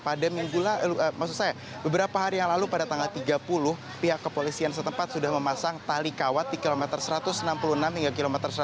pada minggu maksud saya beberapa hari yang lalu pada tanggal tiga puluh pihak kepolisian setempat sudah memasang tali kawat di kilometer satu ratus enam puluh enam hingga kilometer seratus